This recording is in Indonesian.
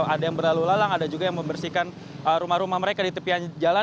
ada yang berlalu lalang ada juga yang membersihkan rumah rumah mereka di tepian jalan